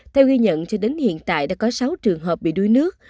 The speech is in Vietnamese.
theo ghi nhận cho đến hiện tại đã có sáu trường hợp bị đuối nước